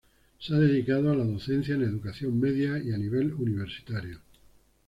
Se ha dedicado a la docencia en educación media y a nivel universitario.